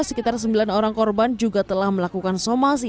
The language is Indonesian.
sekitar sembilan orang korban juga telah melakukan somasi